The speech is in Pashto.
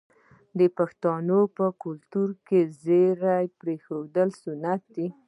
د پښتنو په کلتور کې د ږیرې پریښودل سنت دي.